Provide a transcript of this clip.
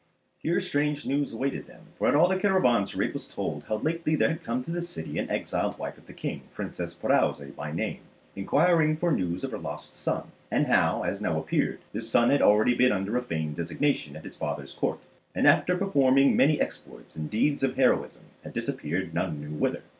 Here strange news awaited them; for at all the caravanseri it was told how lately there had come to the city an exiled wife of the King, Princess Pirouzè by name, enquiring for news of her lost son; and how, asnow appeared, this son had already been under a feigned designation at his father's court, and after performing many exploits and deeds of heroism had disappeared none knew whither.